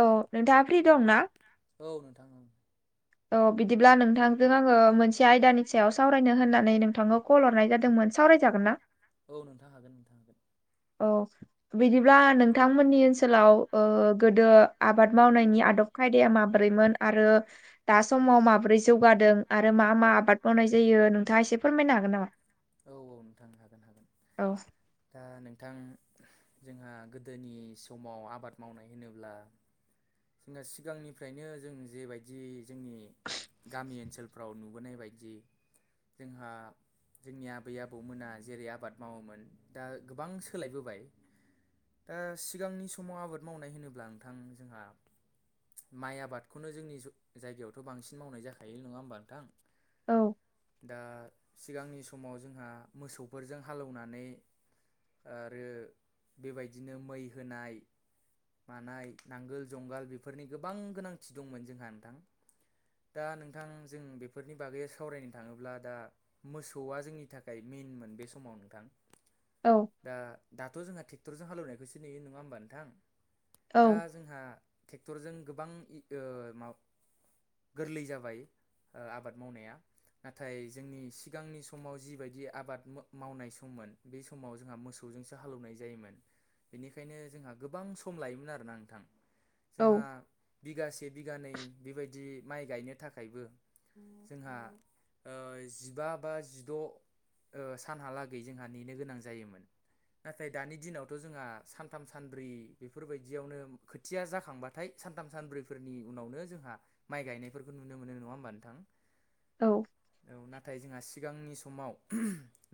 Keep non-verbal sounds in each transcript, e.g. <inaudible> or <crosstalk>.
औ नोंथाङा फ्रि दं ना? औ नोंथां औ औ बिदिब्ला नोंथांजों आङो मोनसे आयदानि सायाव सावरायनो होननानै नोंथांखौ कल हरनाय जादोंमोन। सावराय जागोन ना? औ नोंथां हागोन नोंथां हागोन। औ बिदिब्ला नोंथांमोननि ओनसोलाव ओ गोदो आबाद मावनायनि आदब खायदाया माब्रैमोन आरो दा समाव माबोरै जौगादों आरो मा मा आबाद मावनाय जायो नोंथाङा एसे फोरमायनो हागोन नामा? औ औ नोंथांनो हागोन हागोन। दा नोंथां जोंहा गोदोनि समाव आबाद मावनाय होनोब्ला जोंहा सिगांनिफ्रायनो जों जेबायदि जोंनि गामि ओनसोल फ्राव नुबोनाय बायदि जोंहा जोंनि आबै आबौमोना जेरै आबाद मावोमोन दा गोबां सोलायबोबाय। दा सिगांनि समाव आबाद मावनाय होनोब्ला नोंथां जोंहा माइ आबादखौनो जोंनि जायगायावथ' बांसिन मावनाय जाखायो नङा होमबा नोंथां? औ दा सिगांनि समाव जोंहा मोसौफोरजों हालेवनानै ओ आरो बेबायदिनो मै होनाय मानाय नांगोल जंगाल बेफोरनि गोबां गोनांथि दंमोन जोंहा नोंथां। दा नोंथां जों बेफोरनि बागै सावरायनो थाङोब्ला दा मोसौआ जोंनि थाखाय मेनमोन बे समाव नोंथां। औ दा दाथ' जोंहा ट्रेक्टरजों हालेवनायखौसो नेुयो नङा होमबा नोंथां दा जोंहा ट्रेक्टरजों गोबां मा गोरलै जाबाय। ओ आबाद मावनाया नाथाय जोंनि सिगांनि समाव जिबायदि आबाद मावनाय सममोन बे समाव जोंहा मोसौजोंसो हाल एवनाय जायोमोन बेनिखायनो जोंहा गोबां सम लायोमोन आरोना नोंथां जोंहा बिगासे बिगानै बेबायदि माइ गायनो थाखायबो जोंहा ओ जिबा बा जिद' ओ सानहालागै जोंहा नेनो गोनां जायोमोन नाथाय दानि दिनावथ' जोंहा सानथाम सानब्रै बेफोरबायदियावनो खोथिया जाख खांबाथाय सानथाम सानब्रैफोरनि उनावनो जोंहा माइ गायनायफोरखौ नुनो मोनो नङा होमबा नोंथां औ औ नाथाय जोंहा सिगांनि समाव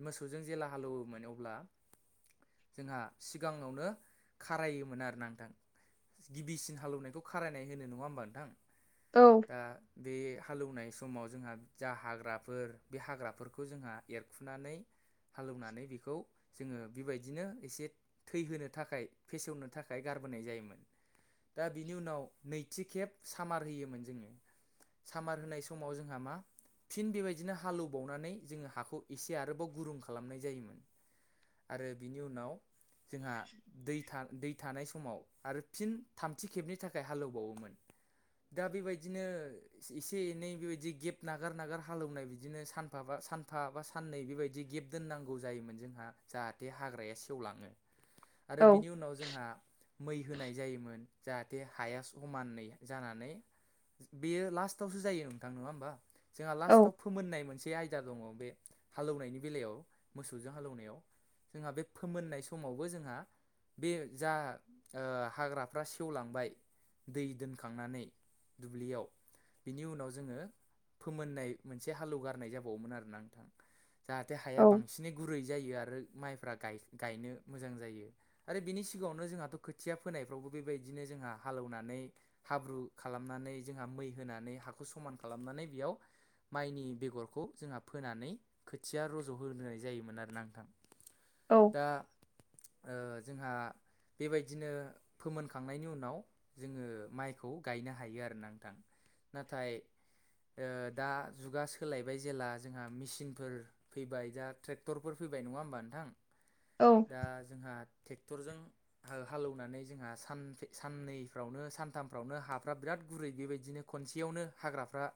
मोसौजों जेला हालौवोमोन अब्ला जोंहा सिगाङावनो खारायोमोन आरोना नोंथां गिबिसिन हाल एवनायखौ खारायनाय होनो नङा होमबा नोंथां औ दा बे हालौनाय समाव जोंहा जा हाग्राफोर बे हाग्राफोरखौ जोंहा एरखुनानै हालौनानै बेखौ जोङो बेबायदिनो एसे थैहोनो थाखाय फेसेवनो थाखाय गारबोनाय जायोमोन दा बिनि उनाव नैथि खेब सामार होयोमोन जोङो सामार होनाय समाव जोंहा मा फिन बेबायदिनो हालौबावनानै जोङो हाखौ एसे आरोबाव गुरुं खालामनाय जायोमोन आरो बिनि उनाव जोंहा दै दै थानाय समाव आरो फिन थामथि खेबनि थाखाय हालौबावोमोन दा बेबायदिनो एसे एनै बेबायदि गेब नागार नागार हालौनाय बिदिनो सानफाबा सानफ फा बा साननै बेबायदि गेब दोननांगौ जायोमोन जोंहा जाहाथे हाग्राया सेवलाङो आरो बिनि उनाव जोंहा मै होनाय जा जायोमोन जाहाथे हाया समानै जानानै बेयो लास्टावसो जायो नोंथां नङा होमबा जोंहा लास्टाव फोमोननाय मोनसे आयदा दङ' बे हालेवनायनि बेलायाव मोसौजों हालौनायाव जोंहा बे फोमोननाय समावबो जोंहा बे जा ओ हाग्राफ्रा सेवलांबाय दै दोनखांनानै दुब्लियाव बिनि उनाव जोङो फोमोननाय मोनसे हालौवगारनाय जाबावोमोन आरोना नोंथां जाहाथे हाया बांसिनै गुरै जायो आरो माइफ्रा गाय गायनो मोजां जायो आरो बिनि सिगाङावनो जोंहाथ' खोथिया फोनायफ्रावबो बेबायदिनो जोंहा हालौनानै हाब्रु खालामनानै जोंहा मै होनानै हाखौ समान खालामनानै बेयाव माइनि बेगरखौ जोंहा फोनानै खोथिया रज' होनाय जायोमोन आरोना नोंथां औ दा ओ जोंहा बेबायदिनो फोमोनखांनायनि उनाव जोङो माइखौ गायनो हायो आरोना नोंथां नाथाय दा ओ जुगा सोलायबाय जेला जोंहा मेचिनफोर फैबाय दा ट्रेक्टरफोर फैबाय नङा होमबा नोंथां औ दा जोंहा टेक्टरजों हाल हालौनानै जोंहा सानथे साननैफ्रावनो सानथामफ्रावनो हाफ्रा बिराद गुरै बेबायदिनो खनसेयावनो हाग्राफ्रा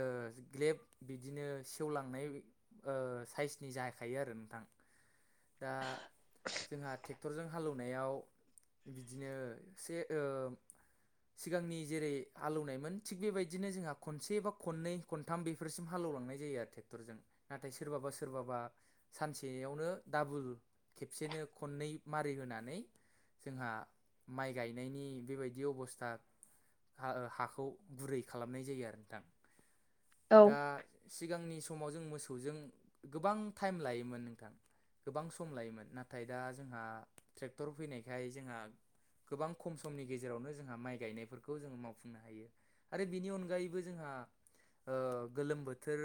ओ ग्लेब बिदिनो सेवलांनाय ओ साइसनि जाहैखायो आरो नोंथां दा जोंहा टेक्टरजों हालौनायाव बिदिनो से ओ सिगांनि जेरै हालौनायमोन थिग बेबायदिनो जोंहा खनसे बा खननै खनथाम बेफोरसिम हालौलांनाय जायो आरो ट्रेक्टरजों नाथाय सोरबाबा सोरबाबा सानसेयावनो दाबुल खेबसेनो खननै मारि होनानै जोंहा माइ गायनायनि बेबायदि अबस्था हा ओ हाखौ गुरै खालामनाय जायो आरो नोंथां दा सिगांनि समाव जों मोसौजों गोबां टाइम लायोमोन नोंथां गोबां सम लायोमोन नाथाय दा जोंहा ट्रेक्टर फैनायखाय जोंहा गोबां खम समनि गेजेरावनो जोंहा माइ गायनायफोरखौ जोंङो मावफुंनो हायो आरो बिनि अनगायैबो जोंहा ओ गोलोम बोथोर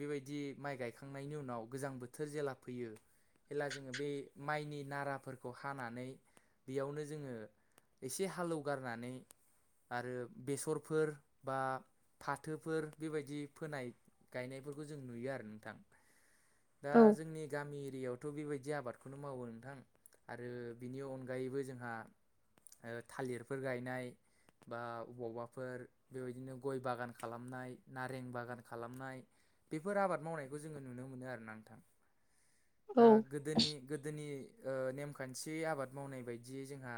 बेबायदि माइ गायखांनायनि उनाव गोजां बोथोर जेला फैयो जेब्ला जोङो बे माइनि नाराफोरखौ हानानै बेयावनो जोङो एसे हाल एवगारनानै आरो बेसरफोर बा फाथोफोर बेबायदि फोनाय गायनायफोरखौ जों नुयो आरो नोंथां दा जोंनि गामि एरियायावथ' बेबायदि आबादखौनो मावो नोंथां आरो बिनि अनगायैबो जोंहा ओ थालिरफोर गायनाय बा अबावबाफोर बेबायदिनो गय बागान खालामनाय नारें बागान खालामनाय बेफोर आबाद मावनायखौ जोङो नुनो मोनो आरोना नोंथां दा गोदोनि गोदोनि ओ नेमखान्थि आबाद मावनाय बायदियै जोंहा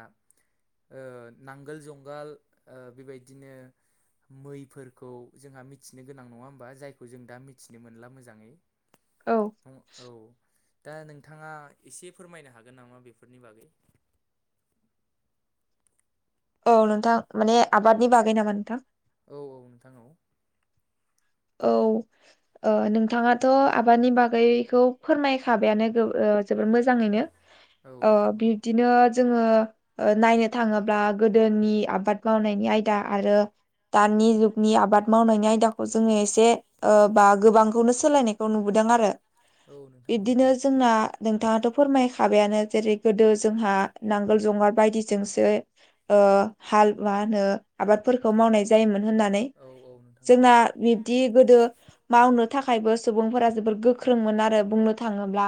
ओ नांगोल जुंगाल ओ बेबायदिनो मैफोरखौ जोंहा मिथिनो गोनां नङा होमबा जायखौ जों दा मिथिनो मोनला मोजाङै <inaudible> औ औ दा नोंथाङा एसे फोरमायनो हागोन नामा बेफोरनि बागै औ नोंथां माने आबादनि बागै नामा नोंथां औ-औ नोंथां औ औ ओ नोंथाङाथ' आबादनि बागैखौ फोरमायखाबायानो जोबोर मोजाङैनो अ बिब्दिनो जोङो नायनो थाङोब्ला गो गोदोनि आबाद मावनायनि आयदा आरो दानि जुगनि आबाद मावनायनि आयदाखौ माने एसे गोबांखौनो सोलायनायखौ नुबोदों आरो बिबदिनो जोङो जोंना नोंथाङाथ' फोरमायखाबायानो जेरै गोदो जोंहा नांगोल जुंगाल बायदिजोंसो ओ हाल मा होनो आबादफोरखौ मावनाय जायोमोन होननानै जोंना बिब्दि गोदो मावनो थाखायबो सुबुंफोरा जोबोद गोख्रों मोन आरो बुंनो था थाङोब्ला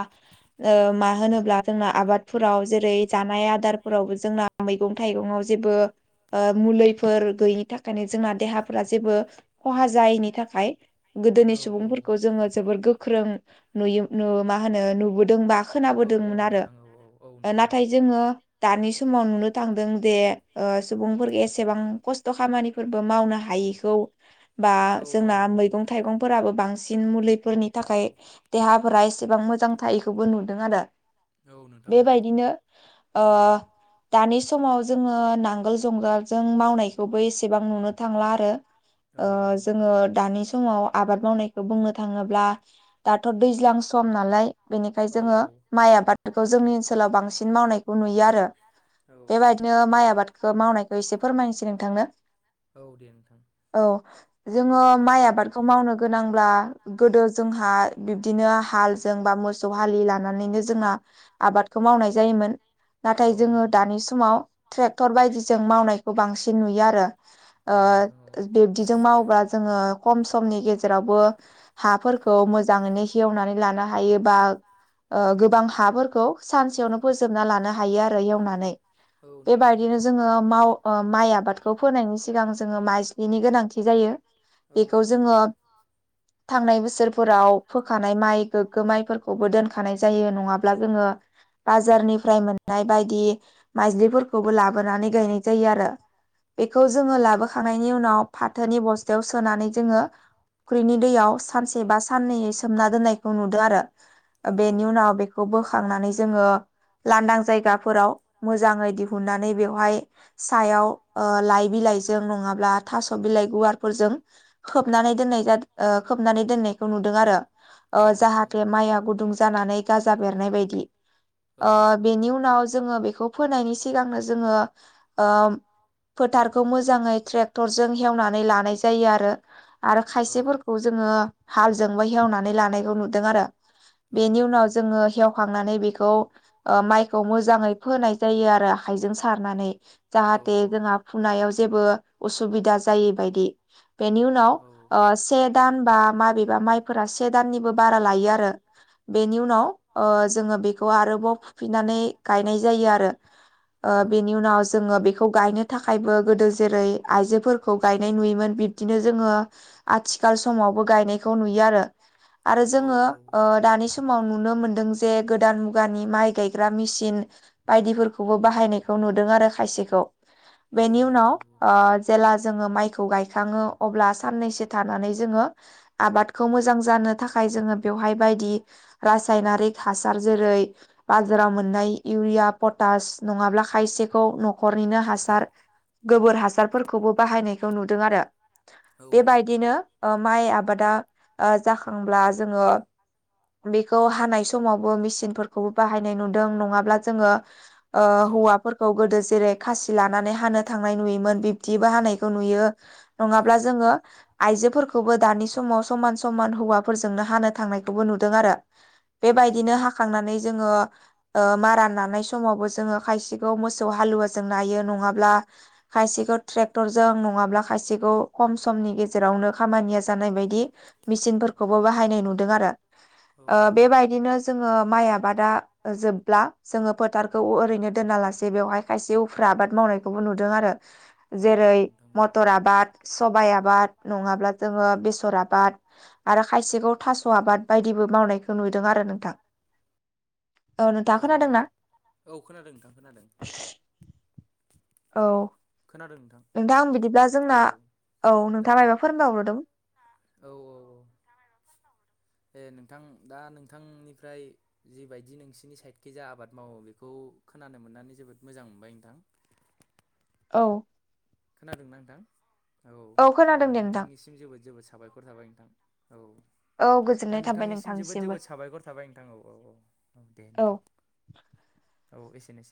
मा होनोब्ला जोंना आबादफोराव जेरै जानाय आदारफोरावबो जोंना मैगं थाइगंआव जेबो ओ मुलिफोर गैयिनि थाखायनो जोंना देहाफोरा जेबो खहा जायैनि थाख खाय गोदोनि सुबुंफोरखौ जोङो जोबोद गोख्रों नुयो मा होनो नुबोदोंबा खोनाबोदोंमोन आरो नाथाय जोङो दानि समाव नुनो थांदों जे सुबुंफोरख एसेबां खस्थ' खामानि फोरबो मावनो हायिखौ बा जोंना मैगं थाइगंफोराबो बांसिन मुलिफोरनि थाखाय देहाफोरा एसेबां मोजां थायिखौबो नुदों आरो बेबायदिनो ओ दानि समाव जोङो नांगोल जुंगालजों मावनायखौबो एसेबां नुनो थांला आरो ओ जोङो दानि समाव आबाद मावनायखौ बुंनो थाङोब्ला दाथ' दैज्लां सम नालाय बेनिखाय जोङो माइ आबादफोरखौ जोंनि ओनसोलाव बांसिन मावनायखौ नुयो आरो बेबायदिनो माइ आबादखो मावनायखौ एसे फोरमायनोसै नोंथांनो औ दे नोंथां औ जोङो माइ आबादखौ मावनो गोनांब्ला गोदो जोंहा बिब्दिनो हालजों बा मो सौ हालि लानानैनो जोंना आबादखौ मावनाय जायोमोन नाथाय जोङो दानि समाव ट्रेक्टर बायदिजों मावनायखौ बांसिन नुयो आरो औ नोंथां औ बिब्दिजों मावोब्ला जोङो खम समनि गेजेरावबो हाफोरखौ मोजाङैनो हेवनानै लानो हायोबा गोबां हाफोरखौ सानसेयावनो फोजोबना लानो हायो आरो एवनानै औ नोंथां औ औ माव माइ आबादखौ फोनायनि सिगां जोङो माइज्लिनि गोनांथि जायो एखौ जोङो थांनाय बोसोरफोराव फोखानाय माइ गोग्गो माइफोरखौबो दोनखानाय जायो नङाब्ला जोङो बाजारनिफ्राय मोननाय बायदि माइज्लिफोरखौबो लाबोनानै गायनाय जायो आरो बेखौ जोङो लाबोखांनायनि उनाव फाथोनि बस्थायाव सोनानै जोङो फुख्रिनि दैयाव सानसे बा साननै सोमना दोननायखौ नुदों आरो बेनि उनाव बे खौ बोखांनानै जोङो लांदां जायगाफोराव मोजाङै दिहुननानै बेवहाय सायाव लाइ बिलाइजों नङाब्ला थास' बिलाइ गुवारफोरजों खोबनानै दोननाय जादो खोबनानै दोननायखौ नुदों आरो ओ जाहाथे माइआ गुदुं जानानै गाजा बेरनाय बायदि बेनि उनाव जोङो बेखौ फैनायनि सिगांनो जोङो ओ फोथार खौ मोजाङै ट्रेक टरजों हेवनानै लानाय जायो आरो आरो खायसेफोरखौ जोङो हालजोंबो हेवनानै लानायखौ नुदों आरो बेनि उनाव जोङो हेव खांनानै बेखौ माइखौ मोजाङै फोनाय जायो आरो आखाइजों सारनानै जाहाथे जोंहा फुनायाव जेबो असुबिदा जायै बायदि बेनि उनाव से दान बा माबेबा माइफोरा से दाननिबो बारा लायो आरो बेनि उनाव जोङो बेखौ आरोबाव फुफिननानै गायनाय जायो आरो बेनि उनाव जोङो बेखौ गायनो थाखायबो गोदो जेरै आयजोफोरखौ गायनाय नुयोमोन बिब्दिनो जोङो आथिखाल समावबो गायनायखौ नुयो आरो आरो जोङो दानि सम समाव नुनो मोन्दों जे गोदान मुगानि माइ गायग्रा मेसिन बायदिफोरखौबो बाहायनायखौ नुदों आरो खायसेखौ बेनि उनाव जेला जोङो माइखौ गायखाङो अब्ला साननैसो थानानै जोङो आबादखौ मोजां जानो थाखाय जोङो बेवहाय बायदि रासायनारिक हासार जेरै बाजाराव मोननाय इउरिया पटास नङाब्ला खायसेखौ न'खरनिनो हासार गोबोर हासारफोरखौबो बाहायनायखौ नुदों आरो बेबायदि दिनो माइ आबादा जाखांब्ला जोङो बेखौ हानाय समावबो मिसिनफोरखौ बाहायनाय नुदों नङाब्ला जोंङो हौवाफोर खौ गोदो जेरै खासि लानानै हानो थांनाय नुयोमोन बिब दिबो हानायखौ नुयो नङाब्ला जोङो आइजोफोरखौबो दानि समाव समान समान हौवाफोरजोंनो हानो थांनायखौबो नुदों आरो बेबायदिनो हाखांनानै जोङो मारा नानाय समावबो जोङो खायसेखौ मोसौ हालुवाजों जों नायो नङाब्ला खायसेखौ ट्रेक्टरजों नङाब्ला खायसेखौ खम समनि गेजेरावनो खामानिया जानाय बायदि मिसिनफोरखौबो बाहायनाय नुदों आरो बेबायदिनो जोङो माइ आबादा जोबब्ला जोङो फोथारखौ ओरैनो दोना लासे बेवहाय खायसे उफ्रा आबाद मावनायखौबो नुदों आरो जेरै मट बेसर आबाद सबाइ आबाद नङाब्ला जोङो बेसर आबाद आरो खायसेखौ थास' आबाद बायदिबो मावनायखौ नुदों आरो नोंथां औ नोंथाङा खोनादों ना खोनादों नोंथां खोनादों औ खोनादों नोंथां नोंथां आं बिदिब्ला जोंना औ नोंथाङा मायबा फोरोंबावदों औ औ औ दे नोंथां दा नोंथांनिफ्राय जिबायदि नोंसोरनि साइडखि जा आबाद मावो बेखौ खोनानो मोननानै जोबोद मोजां मोनबाय नोंथां औ खोनादोंना नोंथां औ दा नोंथांनिसिम जोबोद जोबोद साबायखर थाबाय नोंथां औ दा नोंथांनिसिम जोबोद जोबोद साबायखर थाबाय नोंथां औ औ औ दे नोंथां औ एसेनोसै